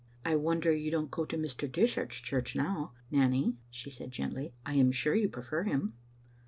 " I wonder you don't go to Mr. Dishart's church now, Nanny," she said, gently. " I am sure you prefer him."